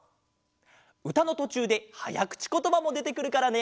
うたのとちゅうではやくちことばもでてくるからね。